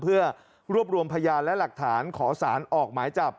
เพื่อรวบรวมพยานและหลักฐานขอสารออกหมายจับ